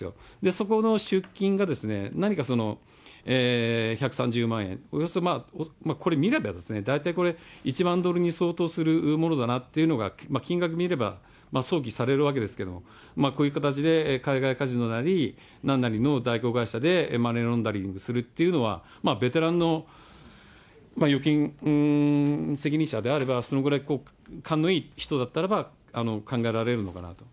そこの出金が何か１３０万円、およそこれ、見れば、大体これ、１万ドルに相当するものだなって、金額見れば想起されるわけですけれども、こういう形で海外カジノなり、なんなりの代行会社で、マネーロンダリングするっていうのは、ベテランの預金責任者であれば、そのぐらい勘のいい人だったらば、考えられるのかなと。